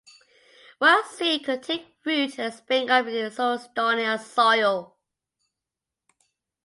What seed could take root and spring up in so stony a soil?